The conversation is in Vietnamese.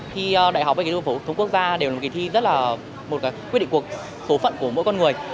khi đại học và kỳ thi của thống quốc gia đều là một kỳ thi rất là quyết định cuộc số phận của mỗi con người